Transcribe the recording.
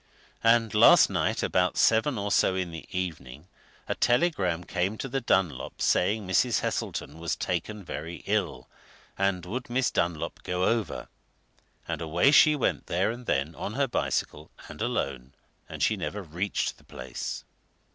And last night about seven or so in the evening a telegram came to the Dunlops saying Mrs. Heselton was taken very ill, and would Miss Dunlop go over? And away she went there and then, on her bicycle, and alone and she never reached the place!"